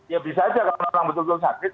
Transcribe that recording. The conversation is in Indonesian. ya bisa saja karena orang betul betul sakit